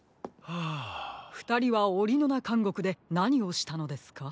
ふたりはオリノナかんごくでなにをしたのですか？